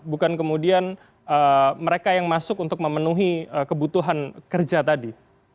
bukan kemudian mereka yang masuk untuk memenuhi kebutuhan kerja tadi